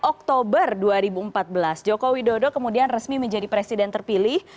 oktober dua ribu empat belas joko widodo kemudian resmi menjadi presiden terpilih